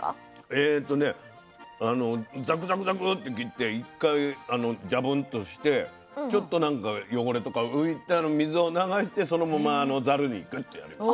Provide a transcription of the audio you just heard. えとねあのザクザクザクって切って一回ジャブンとしてちょっとなんか汚れとか浮いたの水を流してそのままざるにグッとやります。